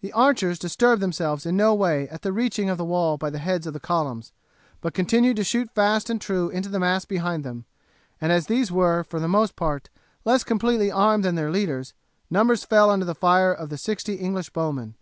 The archers disturbed themselves in no way at the reaching of the wall by the heads of the columns; but continued to shoot fast and true into the mass behind them, and as these were, for the most part, less completely armed than their leaders, numbers fell under the fire of the sixty English bowmen.